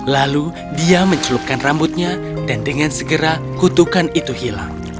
lalu dia mencelupkan rambutnya dan dengan segera kutukan itu hilang